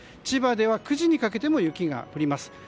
千葉では９時にかけても雪が降ります。